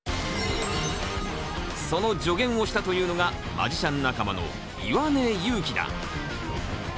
その助言をしたというのがマジシャン仲間の岩根佑樹だ。